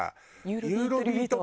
ユーロビートを。